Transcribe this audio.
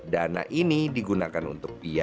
dana ini digunakan untuk ia